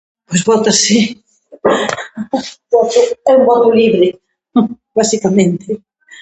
Pois vótase voto, é un voto libre, basicamente.